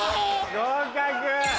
合格。